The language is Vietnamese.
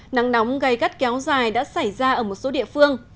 nắng nóng gây gắt kéo dài đã xảy ra ở một số địa phương